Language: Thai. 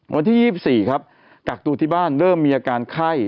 วันที่๒๔ครับกักตัวที่บ้านเริ่มมีอาการไข้